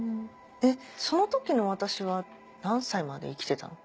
その時の私は何歳まで生きてたの？